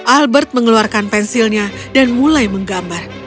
albert mengeluarkan pensilnya dan mulai menggambar